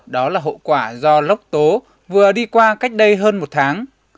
đó là hậu quả do lốc tố vừa đi qua cách đây hơn một tháng